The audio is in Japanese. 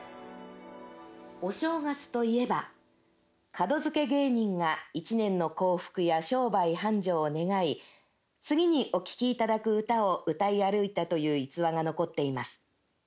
お正月といえば門付芸人が１年の幸福や商売繁盛を願い次にお聴きいただく唄を歌い歩いたという逸話が残っています。